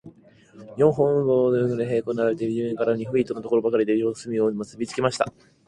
四本の棒を、二本ずつ平行に並べて、地面から二フィートばかりのところで、四隅を結びつけました。